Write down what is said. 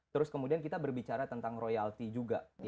terus kemudian kita berbicara tentang royalti juga